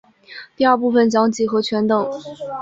第二部份讲几何全等。